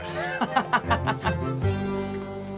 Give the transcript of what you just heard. ハハハハハ！